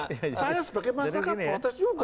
saya sebagai masyarakat protes juga